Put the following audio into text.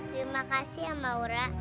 terima kasih ya maura